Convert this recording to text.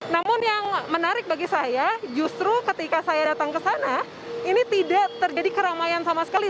namun yang menarik bagi saya justru ketika saya datang ke sana ini tidak terjadi keramaian sama sekali